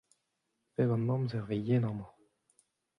Bep an amzer e vez yen amañ.